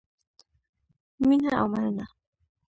مینه او مننه